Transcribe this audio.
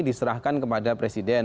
diserahkan kepada presiden